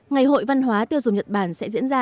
ngày hội văn hóa tiêu dùng nhật bản sẽ diễn ra